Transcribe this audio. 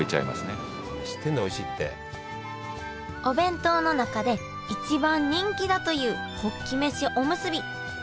お弁当の中で一番人気だというホッキ飯おむすび。